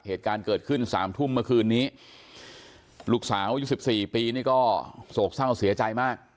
เหตุการณ์เกิดขึ้นสามทุ่มเมื่อคืนนี้ลูกสาวอายุสิบสี่ปีนี่ก็โศกเศร้าเสียใจมาก